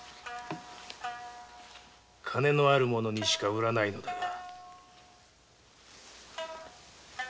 金のある者にしか売らないのだが。